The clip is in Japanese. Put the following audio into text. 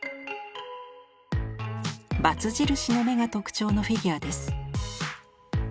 バツ印の目が特徴のフィギュアです。